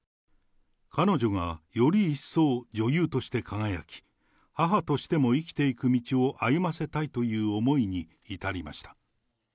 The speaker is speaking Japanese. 彼女がより一層女優として輝き、母としても生きていく道を歩ませたいという思いに至りました。